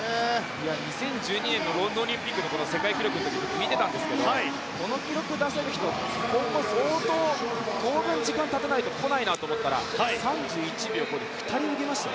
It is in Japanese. ２０１２年のロンドンオリンピックの世界記録の時も見てましたけどこの記録を出せる人当分時間たたないと来ないと思ったら２人来ましたよ。